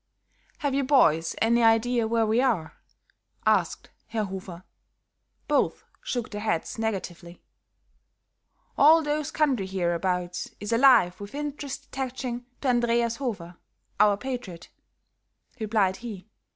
"Have you boys any idea where we are?" asked Herr Hofer. Both shook their heads negatively. "All this country hereabouts is alive with interest attaching to Andreas Hofer, our patriot," replied he.